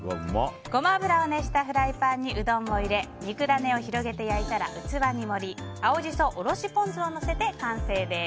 ゴマ油を熱したフライパンにうどんを入れ肉ダネを広げて焼いたら器に盛り青ジソ、おろしポン酢をのせて完成です。